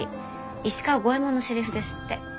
石川五右衛門のセリフですって。